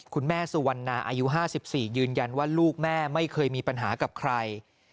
สุวรรณาอายุ๕๔ยืนยันว่าลูกแม่ไม่เคยมีปัญหากับใคร